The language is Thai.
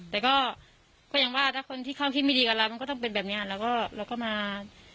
แต่ก็ยังว่าถ้าคนที่เขาคิดไม่ดีกับเรามันก็ต้องเป็นแบบนี้แล้วก็เราก็มา